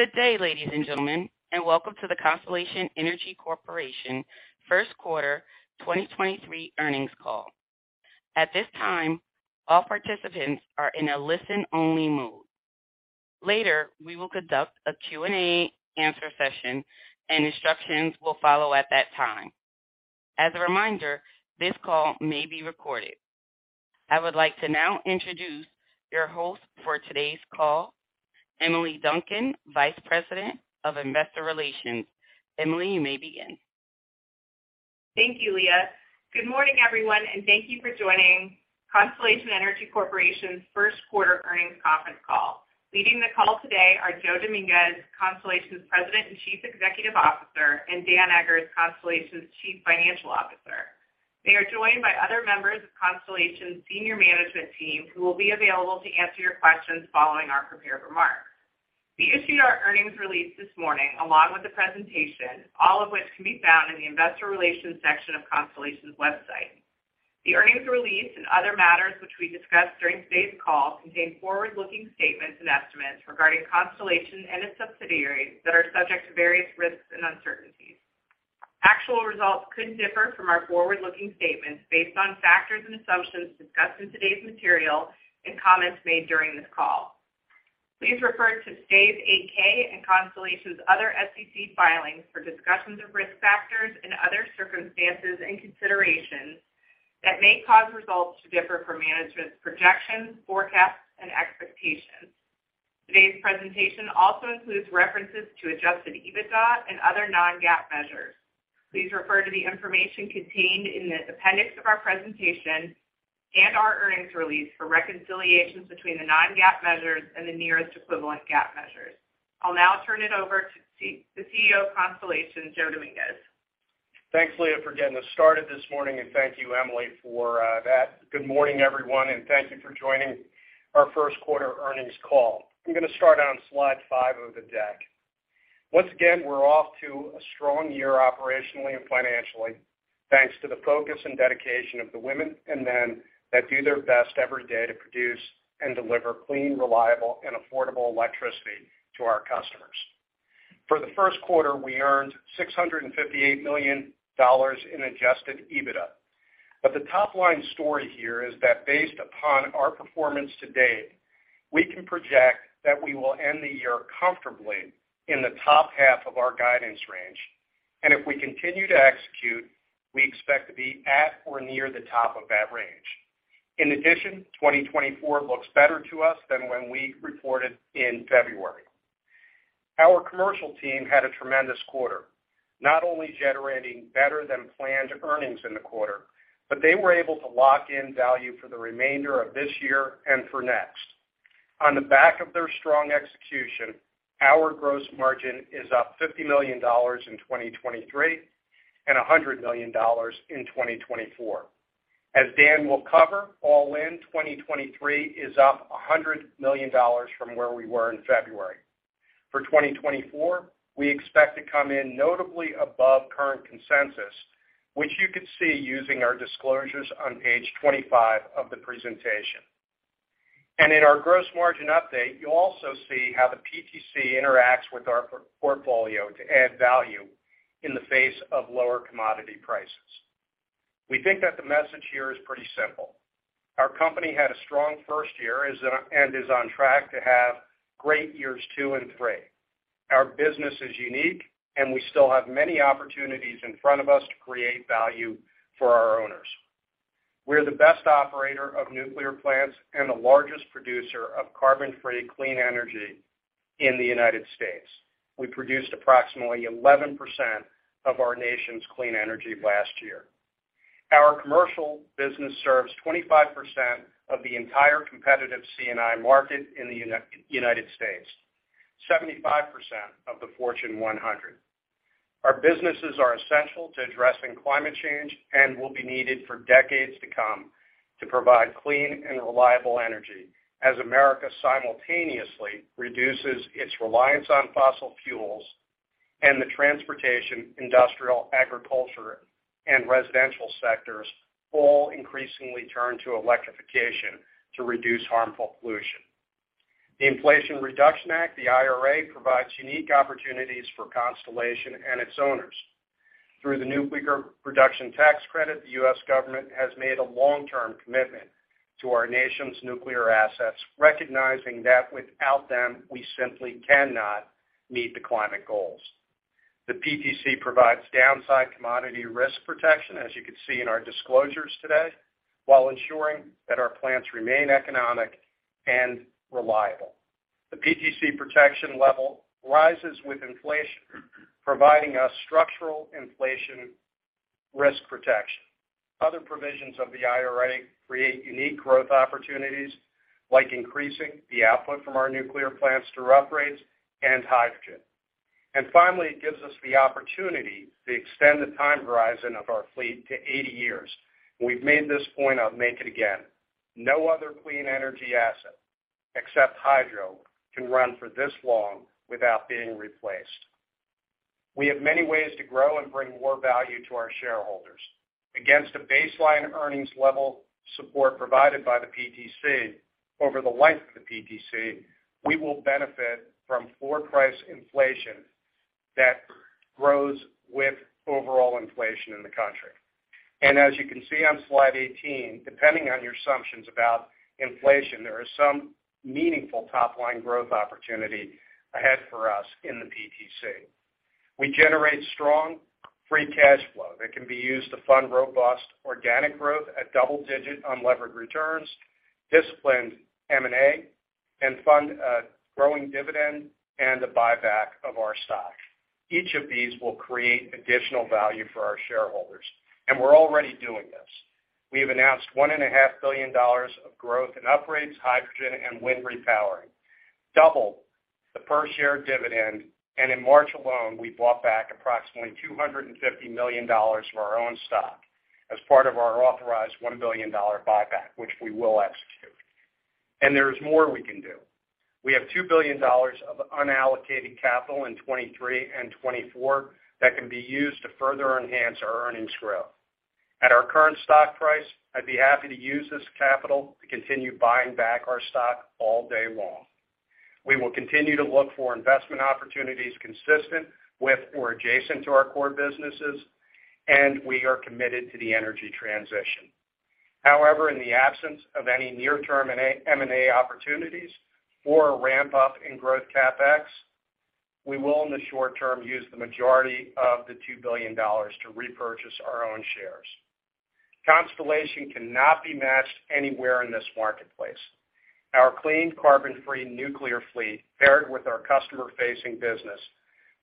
Good day, ladies and gentlemen, and welcome to the Constellation Energy Corporation first quarter 2023 earnings call. At this time, all participants are in a listen-only mode. Later, we will conduct a Q&A answer session and instructions will follow at that time. As a reminder, this call may be recorded. I would like to now introduce your host for today's call, Emily Duncan, Vice President of Investor Relations. Emily, you may begin. Thank you, Leah. Good morning, everyone, and thank you for joining Constellation Energy Corporation's first quarter earnings conference call. Leading the call today are Joe Dominguez, Constellation's President and Chief Executive Officer, and Dan Eggers, Constellation's Chief Financial Officer. They are joined by other members of Constellation's senior management team, who will be available to answer your questions following our prepared remarks. We issued our earnings release this morning, along with the presentation, all of which can be found in the investor relations section of Constellation's website. The earnings release and other matters which we discuss during today's call contain forward-looking statements and estimates regarding Constellation and its subsidiaries that are subject to various risks and uncertainties. Actual results could differ from our forward-looking statements based on factors and assumptions discussed in today's material and comments made during this call. Please refer to today's 8-K and Constellation's other SEC filings for discussions of risk factors and other circumstances and considerations that may cause results to differ from management's projections, forecasts, and expectations. Today's presentation also includes references to Adjusted EBITDA and other non-GAAP measures. Please refer to the information contained in the appendix of our presentation and our earnings release for reconciliations between the non-GAAP measures and the nearest equivalent GAAP measures. I'll now turn it over to the CEO of Constellation, Joe Dominguez. Thanks, Leah, for getting us started this morning, and thank you, Emily, for that. Good morning, everyone, and thank you for joining our first quarter earnings call. I'm gonna start on slide five of the deck. Once again, we're off to a strong year operationally and financially, thanks to the focus and dedication of the women and men that do their best every day to produce and deliver clean, reliable, and affordable electricity to our customers. For the first quarter, we earned $658 million in Adjusted EBITDA. The top-line story here is that based upon our performance to date, we can project that we will end the year comfortably in the top half of our guidance range, and if we continue to execute, we expect to be at or near the top of that range. 2024 looks better to us than when we reported in February. Our commercial team had a tremendous quarter, not only generating better than planned earnings in the quarter, but they were able to lock in value for the remainder of this year and for next. On the back of their strong execution, our gross margin is up $50 million in 2023 and $100 million in 2024. As Dan will cover, all in, 2023 is up $100 million from where we were in February. For 2024, we expect to come in notably above current consensus, which you could see using our disclosures on page 25 of the presentation. In our gross margin update, you'll also see how the PTC interacts with our portfolio to add value in the face of lower commodity prices. We think that the message here is pretty simple. Our company had a strong first year, and is on track to have great years two and three. Our business is unique, and we still have many opportunities in front of us to create value for our owners. We're the best operator of nuclear plants and the largest producer of carbon-free clean energy in the United States. We produced approximately 11% of our nation's clean energy last year. Our commercial business serves 25% of the entire competitive C&I market in the United States, 75% of the Fortune 100. Our businesses are essential to addressing climate change and will be needed for decades to come to provide clean and reliable energy as America simultaneously reduces its reliance on fossil fuels and the transportation, industrial, agriculture, and residential sectors all increasingly turn to electrification to reduce harmful pollution. The Inflation Reduction Act, the IRA, provides unique opportunities for Constellation and its owners. Through the Nuclear Production Tax Credit, the U.S. government has made a long-term commitment to our nation's nuclear assets, recognizing that without them, we simply cannot meet the climate goals. The PTC provides downside commodity risk protection, as you can see in our disclosures today, while ensuring that our plants remain economic and reliable. The PTC protection level rises with inflation, providing us structural inflation risk protection. Other provisions of the IRA create unique growth opportunities like increasing the output from our nuclear plants through upgrades and hydrogen. Finally, it gives us the opportunity to extend the time horizon of our fleet to 80 years. We've made this point, I'll make it again. No other clean energy asset, except hydro, can run for this long without being replaced. We have many ways to grow and bring more value to our shareholders. Against a baseline earnings level support provided by the PTC over the life of the PTC, we will benefit from floor price inflation that grows with overall inflation in the country. As you can see on slide 18, depending on your assumptions about inflation, there is some meaningful top-line growth opportunity ahead for us in the PTC. We generate strong free cash flow that can be used to fund robust organic growth at double-digit unlevered returns, disciplined M&A, and fund a growing dividend and the buyback of our stock. Each of these will create additional value for our shareholders, and we're already doing this. We have announced $1.5 billion of growth in upgrades, hydrogen and wind repowering, double the per-share dividend. In March alone, we bought back approximately $250 million of our own stock as part of our authorized $1 billion buyback, which we will execute. There is more we can do. We have $2 billion of unallocated capital in 2023 and 2024 that can be used to further enhance our earnings growth. At our current stock price, I'd be happy to use this capital to continue buying back our stock all day long. We will continue to look for investment opportunities consistent with or adjacent to our core businesses, and we are committed to the energy transition. However, in the absence of any near-term M&A opportunities or a ramp-up in growth CapEx, we will, in the short term, use the majority of the $2 billion to repurchase our own shares. Constellation cannot be matched anywhere in this marketplace. Our clean, carbon-free nuclear fleet, paired with our customer-facing business,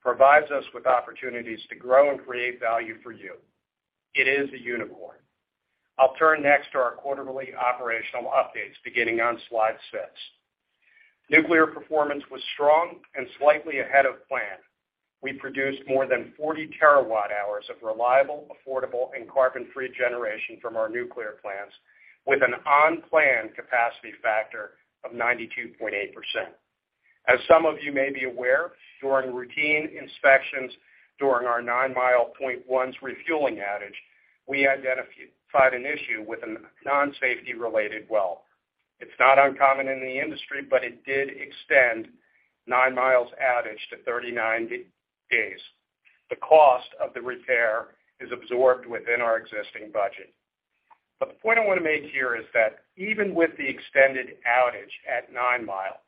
provides us with opportunities to grow and create value for you. It is a unicorn. I'll turn next to our quarterly operational updates beginning on slide six. Nuclear performance was strong and slightly ahead of plan. We produced more than 40 TWh of reliable, affordable, and carbon-free generation from our nuclear plants with an on-plan capacity factor of 92.8%. As some of you may be aware, during routine inspections during our Nine Mile Point One's refueling outage, we identified an issue with a non-safety-related well. It's not uncommon in the industry, but it did extend Nine Mile's outage to 39 days. The cost of the repair is absorbed within our existing budget. The point I want to make here is that even with the extended outage at Nine Mile,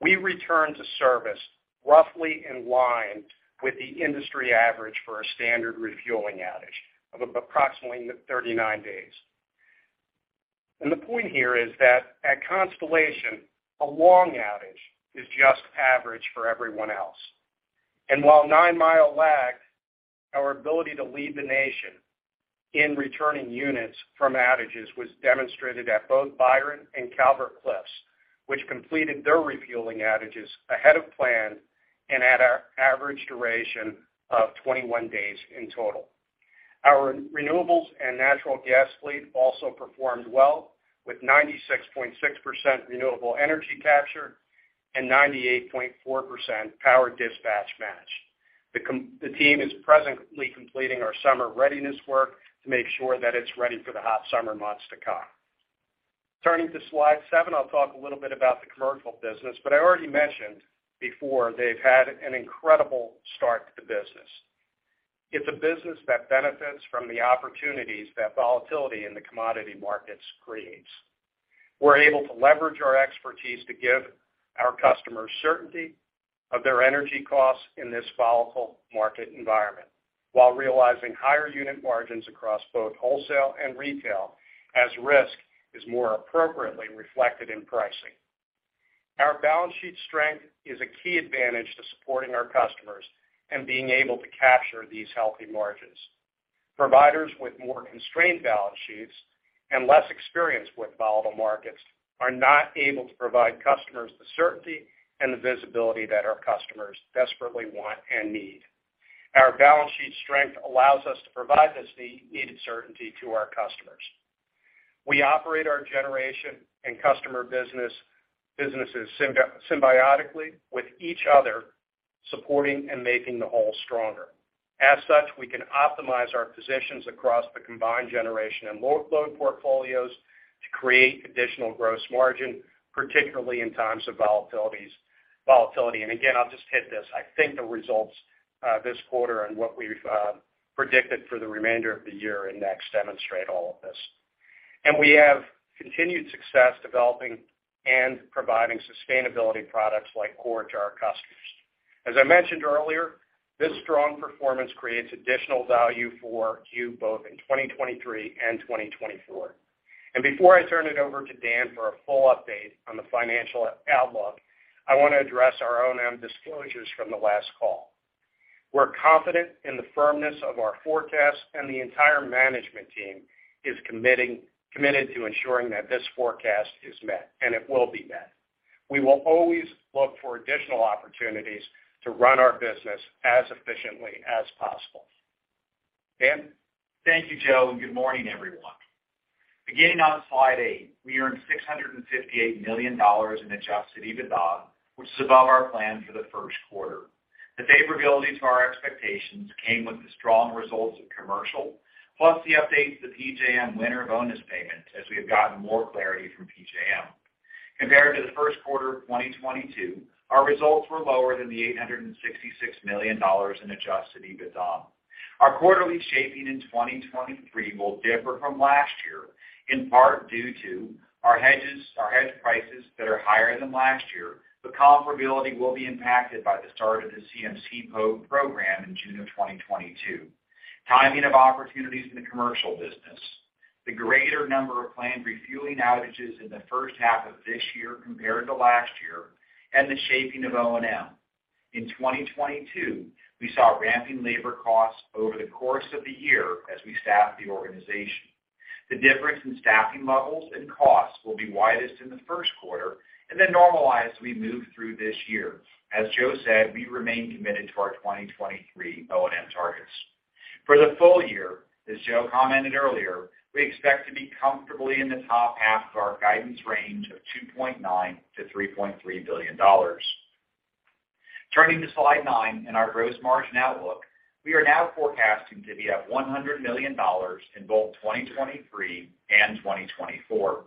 we returned to service roughly in line with the industry average for a standard refueling outage of approximately 39 days. The point here is that at Constellation, a long outage is just average for everyone else. While Nine Mile lagged, our ability to lead the nation in returning units from outages was demonstrated at both Byron and Calvert Cliffs, which completed their refueling outages ahead of plan and at our average duration of 21 days in total. Our renewables and natural gas fleet also performed well with 96.6% renewable energy capture and 98.4% power dispatch match. The team is presently completing our summer readiness work to make sure that it's ready for the hot summer months to come. Turning to slide seven, I'll talk a little bit about the commercial business, but I already mentioned before they've had an incredible start to the business. It's a business that benefits from the opportunities that volatility in the commodity markets creates. We're able to leverage our expertise to give our customers certainty of their energy costs in this volatile market environment while realizing higher unit margins across both wholesale and retail as risk is more appropriately reflected in pricing. Our balance sheet strength is a key advantage to supporting our customers and being able to capture these healthy margins. Providers with more constrained balance sheets and less experience with volatile markets are not able to provide customers the certainty and the visibility that our customers desperately want and need. Our balance sheet strength allows us to provide this needed certainty to our customers. We operate our generation and customer businesses symbiotically with each other, supporting and making the whole stronger. As such, we can optimize our positions across the combined generation and load flow portfolios to create additional gross margin, particularly in times of volatility. Again, I'll just hit this. I think the results this quarter and what we've predicted for the remainder of the year and next demonstrate all of this. We have continued success developing and providing sustainability products like CORe to our customers. As I mentioned earlier, this strong performance creates additional value for you both in 2023 and 2024. Before I turn it over to Dan for a full update on the financial outlook, I want to address our own disclosures from the last call. We're confident in the firmness of our forecast. The entire management team is committed to ensuring that this forecast is met. It will be met. We will always look for additional opportunities to run our business as efficiently as possible. Dan? Thank you, Joe. Good morning everyone. Beginning on slide eight, we earned $658 million in Adjusted EBITDA, which is above our plan for the first quarter. The favorability to our expectations came with the strong results of Commercial, plus the update to the PJM winter bonus payment as we have gotten more clarity from PJM. Compared to the first quarter of 2022, our results were lower than the $866 million in Adjusted EBITDA. Our quarterly shaping in 2023 will differ from last year, in part due to our hedge prices that are higher than last year. Comparability will be impacted by the start of the CMC program in June 2022. Timing of opportunities in the Commercial business. The greater number of planned refueling outages in the first half of this year compared to last year, and the shaping of O&M. In 2022, we saw ramping labor costs over the course of the year as we staffed the organization. The difference in staffing levels and costs will be widest in the first quarter and then normalize as we move through this year. As Joe said, we remain committed to our 2023 O&M targets. For the full year, as Joe commented earlier, we expect to be comfortably in the top half of our guidance range of $2.9 billion-$3.3 billion. Turning to slide nine and our gross margin outlook. We are now forecasting to be at $100 million in both 2023 and 2024.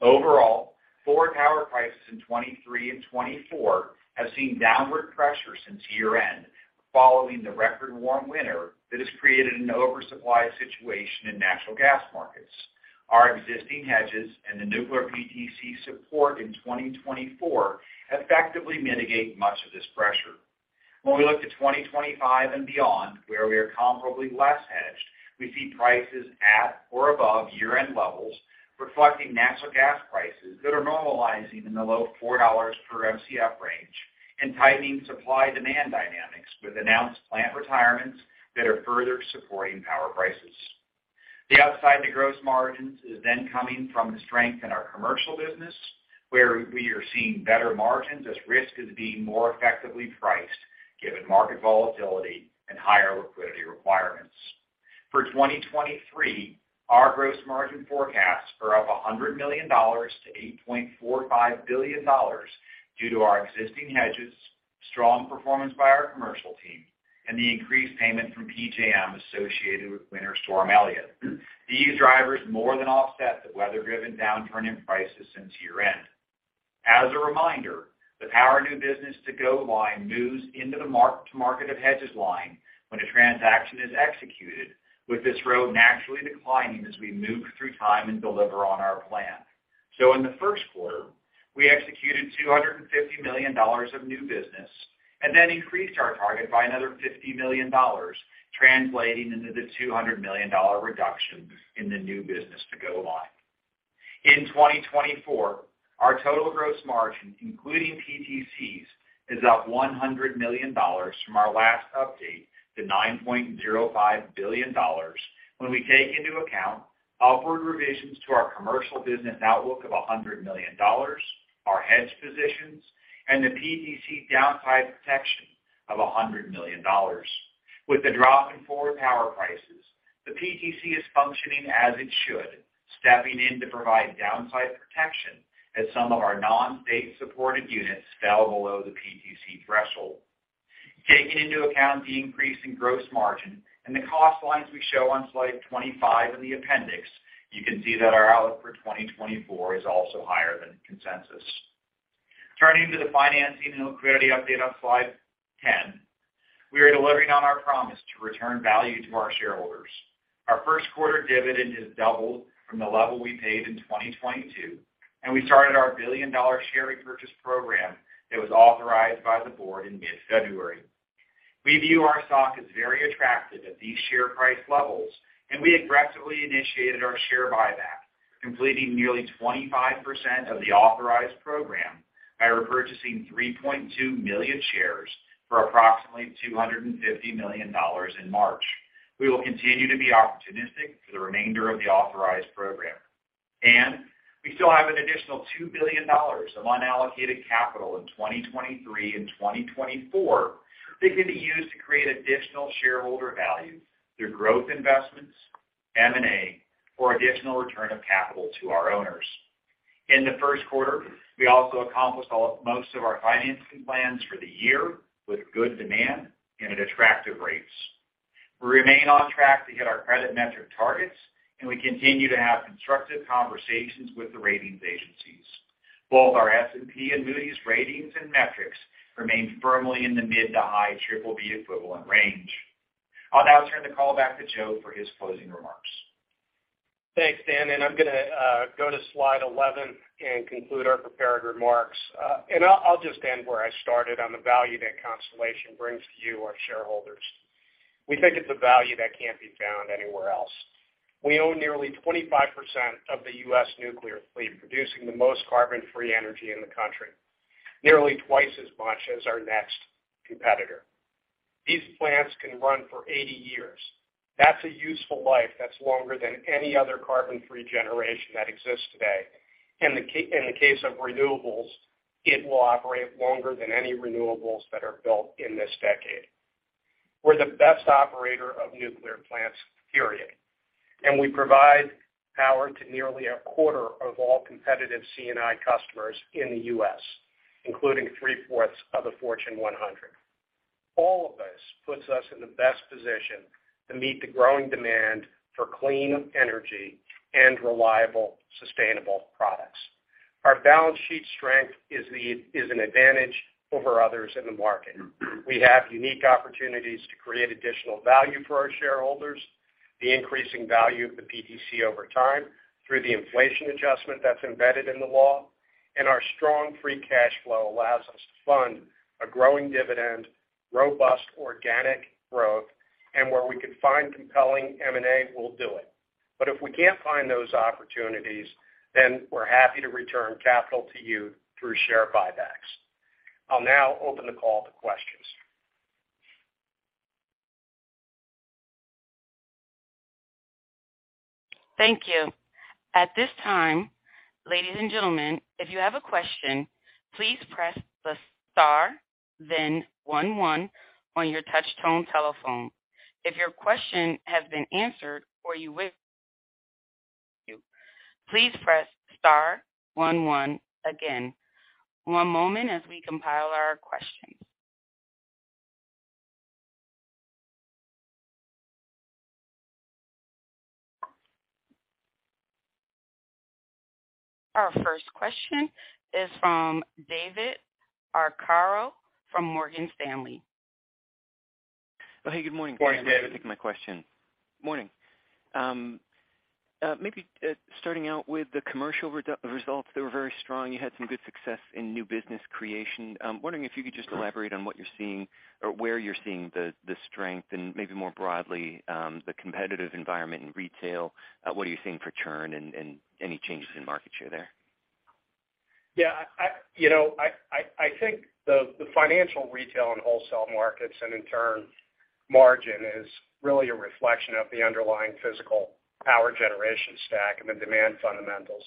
Overall, forward power prices in 2023 and 2024 have seen downward pressure since year-end, following the record warm winter that has created an oversupply situation in natural gas markets. Our existing hedges and the nuclear PTC support in 2024 effectively mitigate much of this pressure. When we look to 2025 and beyond, where we are comparably less hedged, we see prices at or above year-end levels, reflecting natural gas prices that are normalizing in the low $4 per Mcf range and tightening supply demand dynamics with announced plant retirements that are further supporting power prices. The upside to gross margins is coming from the strength in our commercial business, where we are seeing better margins as risk is being more effectively priced given market volatility and higher liquidity requirements. For 2023, our gross margin forecasts are up $100 million to $8.45 billion due to our existing hedges, strong performance by our commercial team and the increased payment from PJM associated with Winter Storm Elliott. These drivers more than offset the weather-driven downturn in prices since year-end. As a reminder, the power new business to-go line moves into the mark-to-market of hedges line when a transaction is executed, with this row naturally declining as we move through time and deliver on our plan. In the first quarter, we executed $250 million of new business and then increased our target by another $50 million, translating into the $200 million reduction in the new business to-go line. In 2024, our total gross margin, including PTCs, is up $100 million from our last update to $9.05 billion when we take into account upward revisions to our commercial business outlook of $100 million, our hedge positions, and the PTC downside protection of $100 million. With the drop in forward power prices, the PTC is functioning as it should, stepping in to provide downside protection as some of our non-state supported units fell below the PTC threshold. Taking into account the increase in gross margin and the cost lines we show on slide 25 in the appendix, you can see that our outlook for 2024 is also higher than consensus. Turning to the financing and liquidity update on slide 10. We are delivering on our promise to return value to our shareholders. Our first quarter dividend has doubled from the level we paid in 2022. We started our billion-dollar share repurchase program that was authorized by the board in mid-February. We view our stock as very attractive at these share price levels. We aggressively initiated our share buyback, completing nearly 25% of the authorized program by repurchasing 3.2 million shares for approximately $250 million in March. We will continue to be opportunistic for the remainder of the authorized program. We still have an additional $2 billion of unallocated capital in 2023 and 2024 that can be used to create additional shareholder value through growth investments, M&A, or additional return of capital to our owners. In the first quarter, we also accomplished most of our financing plans for the year with good demand and at attractive rates. We remain on track to hit our credit metric targets. We continue to have constructive conversations with the ratings agencies. Both our S&P and Moody's ratings and metrics remain firmly in the mid to high BBB equivalent range. I'll now turn the call back to Joe for his closing remarks. Thanks, Dan. I'm gonna go to slide 11 and conclude our prepared remarks. I'll just end where I started on the value that Constellation brings to you, our shareholders. We think it's a value that can't be found anywhere else. We own nearly 25% of the U.S. nuclear fleet, producing the most carbon-free energy in the country, nearly twice as much as our next competitor. These plants can run for 80 years. That's a useful life that's longer than any other carbon-free generation that exists today. In the case of renewables, it will operate longer than any renewables that are built in this decade. We're the best operator of nuclear plants, period. We provide power to nearly a quarter of all competitive CNI customers in the U.S., including 3/4 of the Fortune 100. All of this puts us in the best position to meet the growing demand for clean energy and reliable, sustainable products. Our balance sheet strength is an advantage over others in the market. We have unique opportunities to create additional value for our shareholders, the increasing value of the PTC over time through the inflation adjustment that's embedded in the law, and our strong free cash flow allows us to fund a growing dividend, robust organic growth. Where we could find compelling M&A, we'll do it. If we can't find those opportunities, then we're happy to return capital to you through share buybacks. I'll now open the call to questions. Thank you. At this time, ladies and gentlemen, if you have a question, please press the star then one on your touch tone telephone. If your question has been answered or you wish you, please press star one one again. One moment as we compile our questions. Our first question is from David Arcaro from Morgan Stanley. Oh, hey, good morning. Morning, David. Thanks for taking my question. Morning. Maybe starting out with the commercial re-results, they were very strong. You had some good success in new business creation. I'm wondering if you could just elaborate on what you're seeing or where you're seeing the strength and maybe more broadly, the competitive environment in retail? What are you seeing for churn and any changes in market share there? Yeah, you know, I think the financial retail and wholesale markets and in turn margin is really a reflection of the underlying physical power generation stack and the demand fundamentals.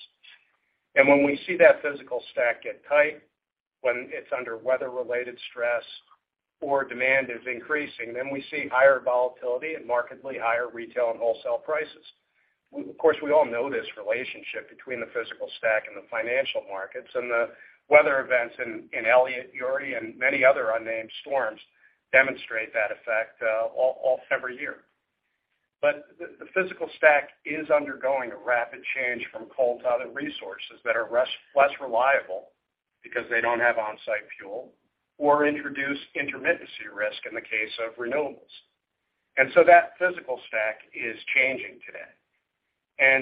When we see that physical stack get tight, when it's under weather-related stress or demand is increasing, then we see higher volatility and markedly higher retail and wholesale prices. Of course, we all know this relationship between the physical stack and the financial markets and the weather events in Elliott, Uri and many other unnamed storms demonstrate that effect every year. The physical stack is undergoing a rapid change from coal to other resources that are less reliable because they don't have on-site fuel or introduce intermittency risk in the case of renewables. That physical stack is changing today.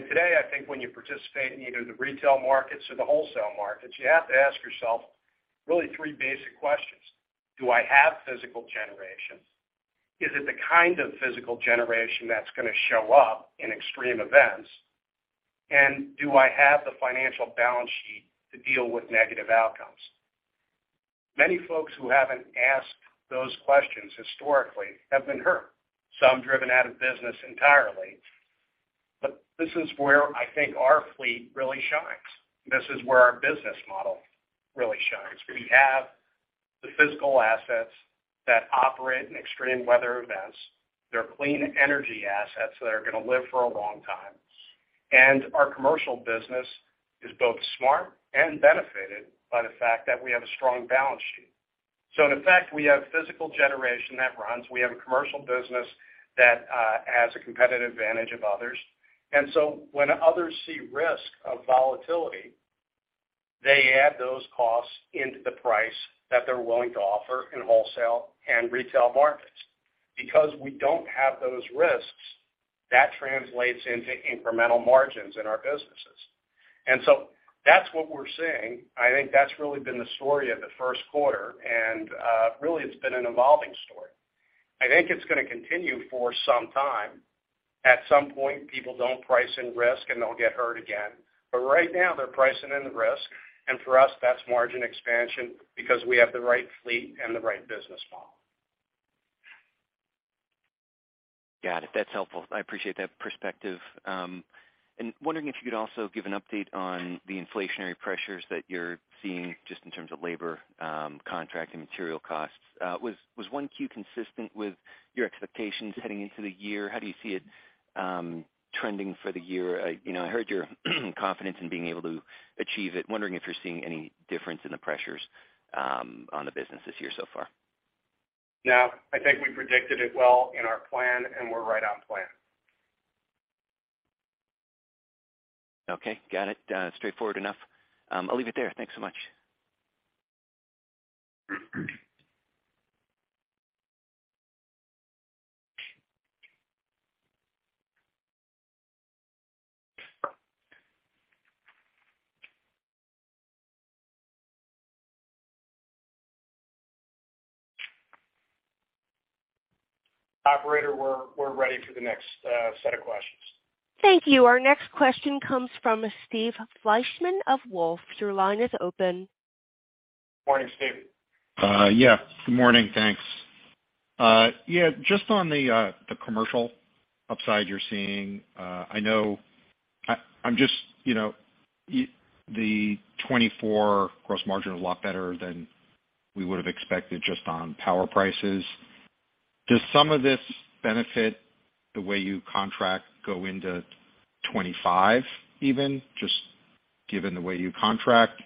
Today, I think when you participate in either the retail markets or the wholesale markets, you have to ask yourself really three basic questions. Do I have physical generation? Is it the kind of physical generation that's going to show up in extreme events? Do I have the financial balance sheet to deal with negative outcomes? Many folks who haven't asked those questions historically have been hurt, some driven out of business entirely. This is where I think our fleet really shines. This is where our business model really shines. We have the physical assets that operate in extreme weather events. They're clean energy assets that are going to live for a long time. Our commercial business is both smart and benefited by the fact that we have a strong balance sheet. In effect, we have physical generation that runs, we have a commercial business that has a competitive advantage of others. When others see risk of volatility, they add those costs into the price that they're willing to offer in wholesale and retail markets. We don't have those risks, that translates into incremental margins in our businesses. That's what we're seeing. I think that's really been the story of the first quarter, and really it's been an evolving story. I think it's going to continue for some time. At some point, people don't price in risk and they'll get hurt again. Right now they're pricing in the risk. For us, that's margin expansion because we have the right fleet and the right business model. Got it. That's helpful. I appreciate that perspective. Wondering if you could also give an update on the inflationary pressures that you're seeing just in terms of labor, contract and material costs. Was 1Q consistent with your expectations heading into the year? How do you see it, trending for the year? You know, I heard your confidence in being able to achieve it. Wondering if you're seeing any difference in the pressures, on the business this year so far? No, I think we predicted it well in our plan, and we're right on plan. Okay, got it. Straightforward enough. I'll leave it there. Thanks so much. Operator, we're ready for the next set of questions. Thank you. Our next question comes from Steve Fleishman of Wolfe. Your line is open. Morning, Steve. Good morning. Thanks. Just on the commercial upside you're seeing, I'm just, you know, the 2024 gross margin is a lot better than we would have expected just on power prices. Does some of this benefit the way you contract go into 2025 even, just given the way you contract?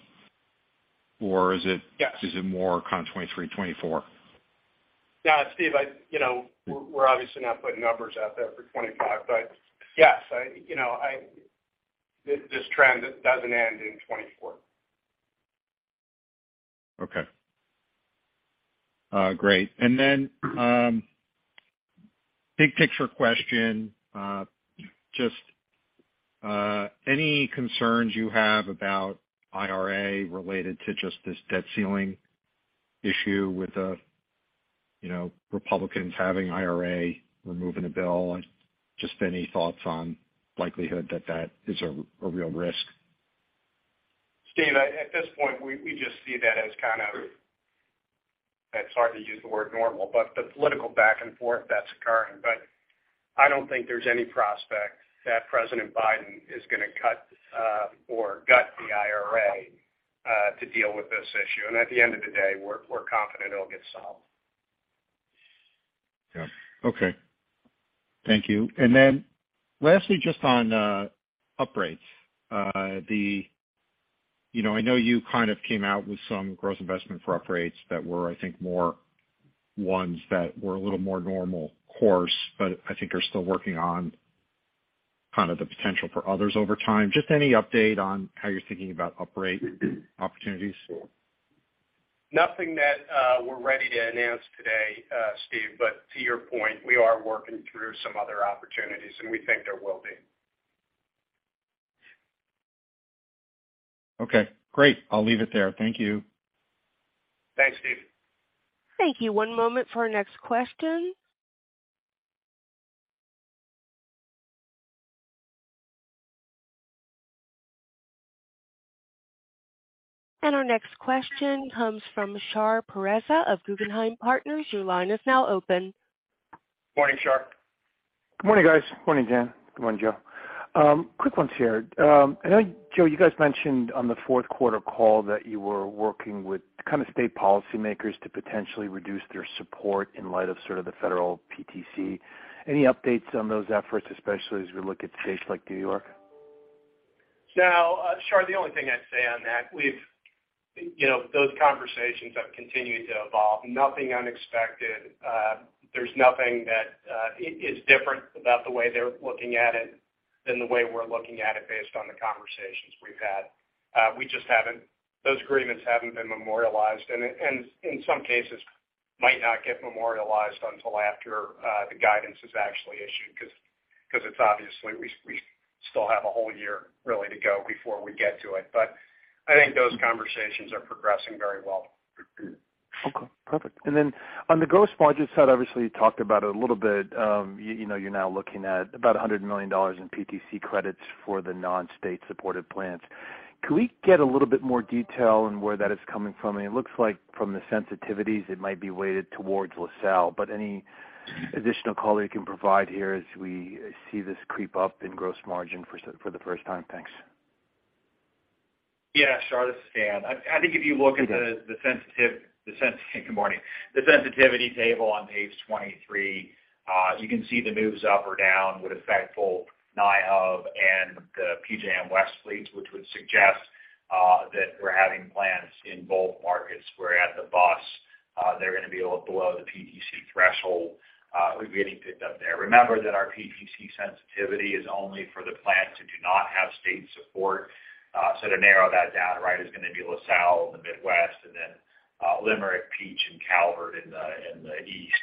Or is it- Yes. Is it more kind of 2023, 2024? Yeah, Steve, you know, we're obviously not putting numbers out there for 2025, yes, this trend doesn't end in 2024. Okay. great. Big picture question. just, any concerns you have about IRA related to just this debt ceiling issue with the, you know, Republicans having IRA removing the bill? Just any thoughts on likelihood that that is a real risk? Steve, at this point, we just see that as kind of, it's hard to use the word normal, but the political back and forth that's occurring. I don't think there's any prospect that President Biden is gonna cut or gut the IRA to deal with this issue. At the end of the day, we're confident it'll get solved. Yeah. Okay. Thank you. Lastly, just on upgrades. You know, I know you kind of came out with some gross investment for upgrades that were, I think, more ones that were a little more normal course, but I think you're still working on kind of the potential for others over time. Just any update on how you're thinking about upgrade opportunities? Nothing that we're ready to announce today, Steve, but to your point, we are working through some other opportunities, and we think there will be. Okay, great. I'll leave it there. Thank you. Thanks, Steve. Thank you. One moment for our next question. Our next question comes from Shar Pourreza of Guggenheim Partners. Your line is now open. Morning, Shar. Good morning, guys. Morning, Dan. Good morning, Joe. Quick ones here. I know, Joe, you guys mentioned on the fourth quarter call that you were working with kind of state policymakers to potentially reduce their support in light of sort of the federal PTC. Any updates on those efforts, especially as we look at states like New York? Now, Shar, the only thing I'd say on that, you know, those conversations have continued to evolve. Nothing unexpected. There's nothing that is different about the way they're looking at it than the way we're looking at it based on the conversations we've had. We just haven't those agreements haven't been memorialized, and in some cases might not get memorialized until after the guidance is actually issued because it's obviously we still have a whole year really to go before we get to it. I think those conversations are progressing very well. Okay. Perfect. Then on the gross margin side, obviously you talked about a little bit, you know, you're now looking at about $100 million in PTC credits for the non-state supported plants. Could we get a little bit more detail on where that is coming from? I mean, it looks like from the sensitivities it might be weighted towards LaSalle. Any additional color you can provide here as we see this creep up in gross margin for the first time? Thanks. Yeah, Shar, this is Dan. I think if you look at. Yeah. Good morning. The sensitivity table on page 23, you can see the moves up or down would affect both NI Hub and the PJM West fleets, which would suggest that we're having plants in both markets, where at the bus, they're gonna be a little below the PTC threshold, would be getting picked up there. Remember that our PTC sensitivity is only for the plants that do not have state support. So to narrow that down, right, is gonna be LaSalle in the Midwest and then Limerick, Peach, and Calvert in the East.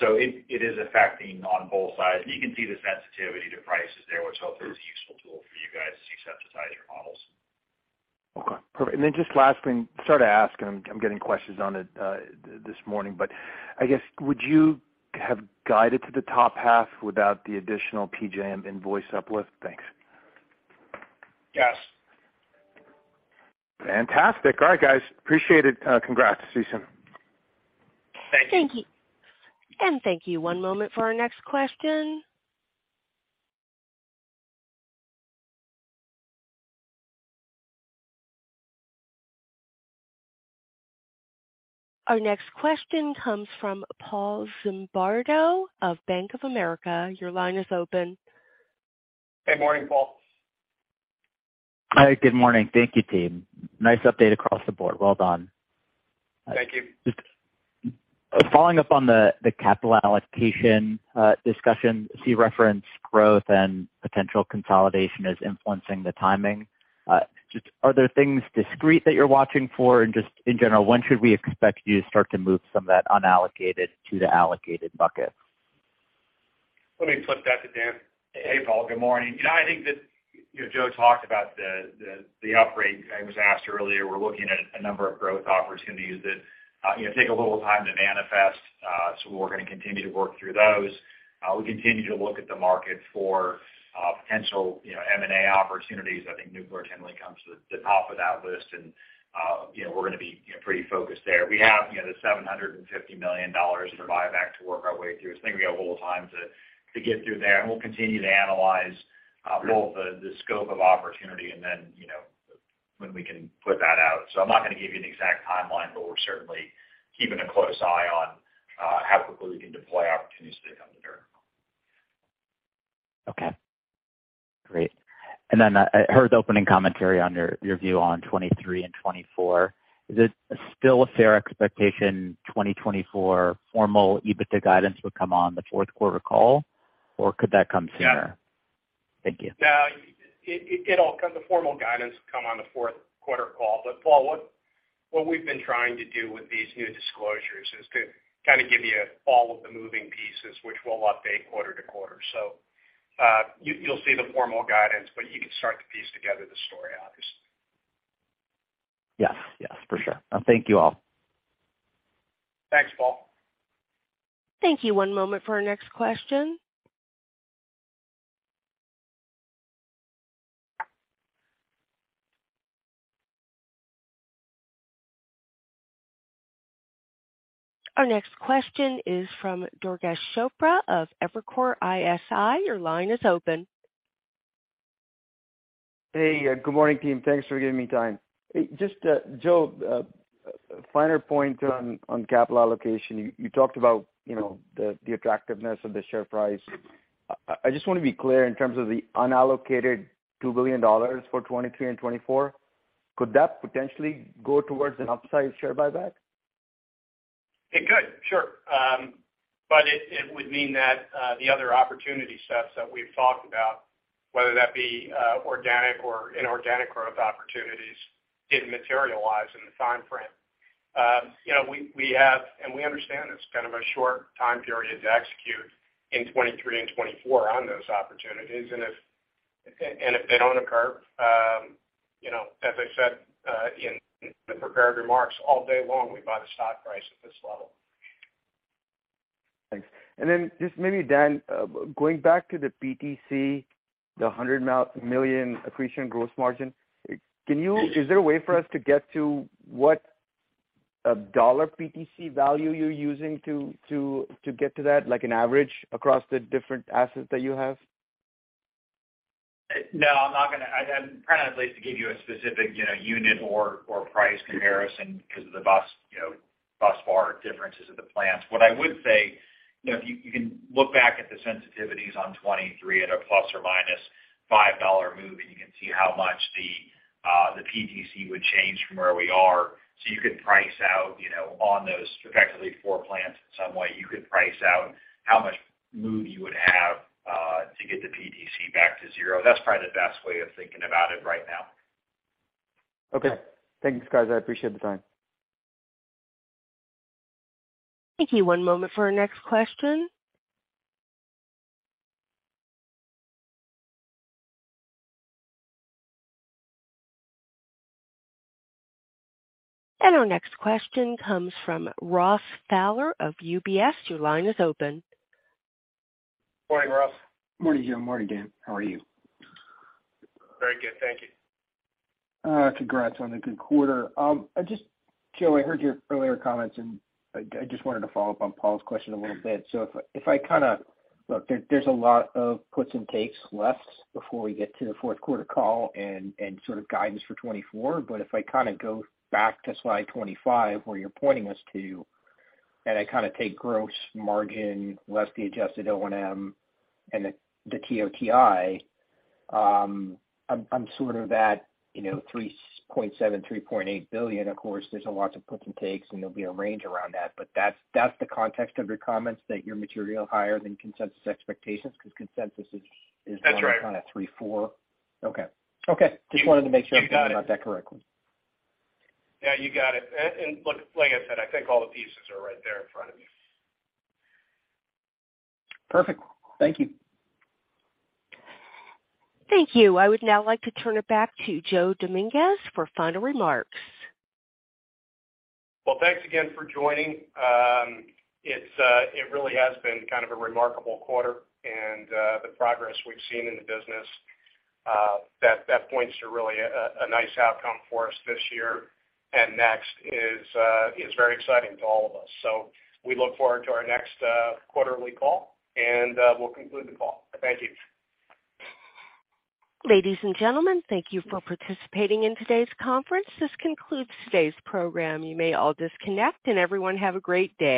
So it is affecting on both sides. You can see the sensitivity to prices there, which hopefully is a useful tool for you guys to synthesize your models. Okay. Perfect. Then just last thing, sorry to ask, and I'm getting questions on it, this morning, but I guess, would you have guided to the top half without the additional PJM invoice uplift? Thanks. Yes. Fantastic. All right, guys. Appreciate it. Congrats. See you soon. Thank you. Thank you. Thank you. One moment for our next question. Our next question comes from Paul Zimbardo of Bank of America. Your line is open. Hey, morning, Paul. Hi. Good morning. Thank you, team. Nice update across the board. Well done. Thank you. Just following up on the capital allocation discussion, I see reference growth and potential consolidation is influencing the timing. Just are there things discrete that you're watching for? Just in general, when should we expect you to start to move some of that unallocated to the allocated bucket? Let me flip that to Dan. Hey, Paul, good morning. You know, I think. You know, Joe talked about the upgrade. I was asked earlier, we're looking at a number of growth opportunities that, you know, take a little time to manifest. We're gonna continue to work through those. We continue to look at the market for potential, you know, M&A opportunities. I think nuclear generally comes to the top of that list. You know, we're gonna be, you know, pretty focused there. We have, you know, the $750 million of buyback to work our way through. I think we have a little time to get through there, and we'll continue to analyze both the scope of opportunity and then, you know, when we can put that out. I'm not gonna give you an exact timeline, but we're certainly keeping a close eye on how quickly we can deploy opportunities that come to term. Okay. Great. Then I heard the opening commentary on your view on 2023 and 2024. Is it still a fair expectation 2024 formal EBITDA guidance would come on the fourth quarter call, or could that come sooner? Yeah. Thank you. Yeah. It'll come, the formal guidance will come on the fourth quarter call. Paul, what we've been trying to do with these new disclosures is to kinda give you all of the moving pieces which we'll update quarter-to-quarter. You'll see the formal guidance, but you can start to piece together the story obviously. Yes. Yes, for sure. Thank you all. Thanks, Paul. Thank you. One moment for our next question. Our next question is from Durgesh Chopra of Evercore ISI. Your line is open. Hey, good morning, team. Thanks for giving me time. Just, Joe, finer point on capital allocation. You talked about, you know, the attractiveness of the share price. I just wanna be clear in terms of the unallocated $2 billion for 2023 and 2024, could that potentially go towards an upside share buyback? It could, sure. It would mean that the other opportunity sets that we've talked about, whether that be organic or inorganic growth opportunities, didn't materialize in the timeframe. you know, we have, and we understand it's kind of a short time period to execute in 2023 and 2024 on those opportunities. If they don't occur, you know, as I said, in the prepared remarks, all day long, we buy the stock price at this level. Thanks. Just maybe, Dan, going back to the PTC, the $100 million accretion gross margin, is there a way for us to get to what a dollar PTC value you're using to get to that, like an average across the different assets that you have? No, I'm not gonna. I'm kinda not the place to give you a specific, you know, unit or price comparison 'cause of the bus, you know, bus bar differences of the plants. What I would say, you know, if you can look back at the sensitivities on 2023 at a ±$5 move, and you can see how much the PTC would change from where we are. You can price out, you know, on those effectively four plants in some way, you could price out how much move you would have to get the PTC back to zero. That's probably the best way of thinking about it right now. Okay. Thanks, guys. I appreciate the time. Thank you. One moment for our next question. Our next question comes from Ross Fowler of UBS. Your line is open. Morning, Ross. Morning, Joe. Morning, Dan. How are you? Very good, thank you. Congrats on the good quarter. Joe, I heard your earlier comments. I just wanted to follow up on Paul's question a little bit. If I kinda look, there's a lot of puts and takes left before we get to the fourth quarter call and sort of guidance for 2024. If I kinda go back to slide 25, where you're pointing us to, and I kinda take gross margin less the Adjusted O&M and the TOTI, I'm sort of at, you know, $3.7 billion-$3.8 billion. Of course, there's a lot of puts and takes. There'll be a range around that. That's the context of your comments that you're materially higher than consensus expectations? 'Cause consensus. That's right. is kind of $3.4 billion. Okay. Okay. Just wanted to make sure. You got it. I'm thinking about that correctly. Yeah, you got it. Look, like I said, I think all the pieces are right there in front of you. Perfect. Thank you. Thank you. I would now like to turn it back to Joe Dominguez for final remarks. Well, thanks again for joining. It really has been kind of a remarkable quarter and the progress we've seen in the business that points to really a nice outcome for us this year and next is very exciting to all of us. We look forward to our next quarterly call, and we'll conclude the call. Thank you. Ladies and gentlemen, thank you for participating in today's conference. This concludes today's program. You may all disconnect, and everyone, have a great day.